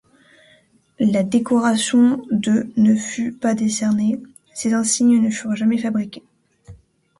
La décoration de ne fut pas décernée, ses insignes ne furent jamais fabriqués.